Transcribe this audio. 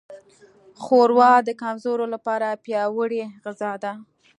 ښوروا د کمزورو لپاره پیاوړې غذا ده.